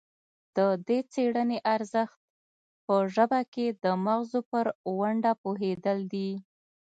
د دې څیړنې ارزښت په ژبه کې د مغزو پر ونډه پوهیدل دي